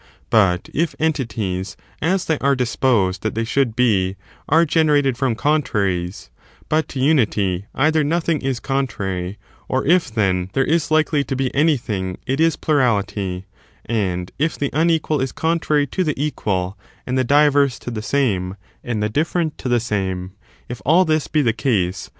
But if entities — as JJSt^SlSty. they are disposed that they should be— are generated from contraries, but to unity either nothing is con trary, or if, then, there is likely to be anything, it is pliu^ity ; and if the unequal is contrary to the equal, and the diverse to the same, and the different to the same— if all this be the case, 892 THE METAPHTSICS OF ARISTOTLE. [bOOK XOL .